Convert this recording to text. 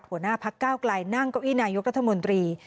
หัวหน้าพักก้าวไกลนั่งเก้าอี้นายกรัฐมนตรี